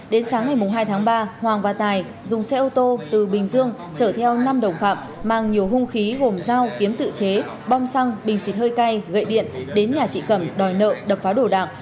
đến sáng ngày hai tháng ba hoàng và tài dùng xe ô tô từ bình dương chở theo năm đồng phạm mang nhiều hung khí gồm dao kiếm tự chế bom xăng bình xịt hơi cay gậy điện đến nhà chị cẩm đòi nợ đập phá đồ đạm